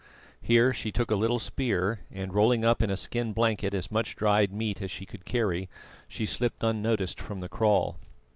Here she took a little spear, and rolling up in a skin blanket as much dried meat as she could carry, she slipped unnoticed from the kraal.